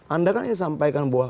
anda kan ingin sampaikan bahwa